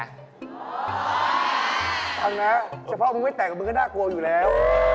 เอานะเฉพาะมึงไม่แต่งมึงก็น่ากลัวอยู่แล้ว